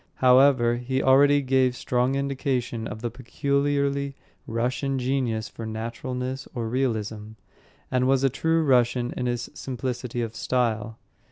However, he already gave strong indication of the peculiarly Russian genius for naturalness or realism, and was a true Russian in his simplicity of style.